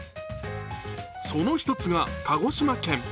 その１つが鹿児島県。